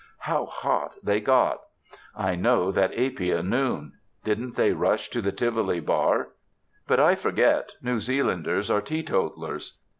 How hot they got! I know that Apia noon. Didn't they rush to the Tivoli bar but I forget, New Zealanders are teetotalers.